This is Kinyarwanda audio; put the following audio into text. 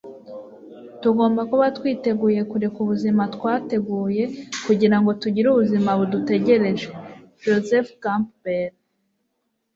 tugomba kuba twiteguye kureka ubuzima twateguye, kugira ngo tugire ubuzima budutegereje - joseph campbell